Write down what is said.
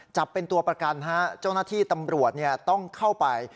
จับเป็นตัวประกันฮะเจ้าหน้าที่ตำรวจต้องเข้าไป